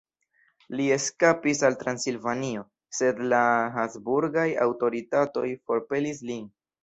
Li eskapis al Transilvanio, sed la habsburgaj aŭtoritatoj forpelis lin.